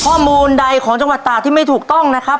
ข้อมูลใดของจังหวัดตากที่ไม่ถูกต้องนะครับ